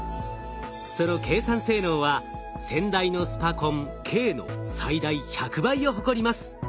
その計算性能は先代のスパコン「京」の最大１００倍を誇ります。